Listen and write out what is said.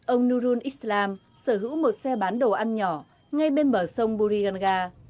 ông nurul islam sở hữu một xe bán đồ ăn nhỏ ngay bên bờ sông buriganga